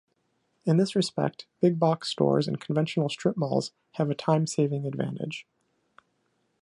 In this respect, big box stores and conventional strip malls have a time-saving advantage.